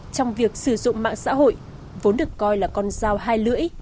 trong việc sử dụng mạng xã hội vốn được coi là con dao hai lưỡi